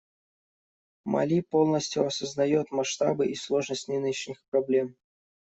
Мали полностью осознает масштабы и сложность нынешних проблем.